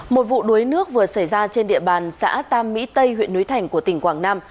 một vụ đuối nước vừa xảy ra trên địa bàn xã tam mỹ tây huyện núi thành của tỉnh quảng nam